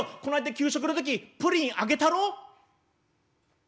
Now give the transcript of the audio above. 給食の時プリンあげたろ！」。